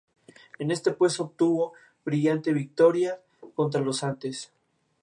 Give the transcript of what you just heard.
El servicio tiene una frecuencia diaria de una hora aproximadamente.